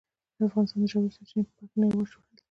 افغانستان د ژورې سرچینې په برخه کې نړیوال شهرت لري.